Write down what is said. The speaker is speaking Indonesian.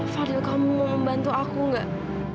fadil kamu mau membantu aku enggak